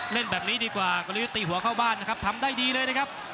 เล่นแบบนี้ดีกว่ากลยุทธ์ตีหัวเข้าบ้านนะครับทำได้ดีเลยนะครับ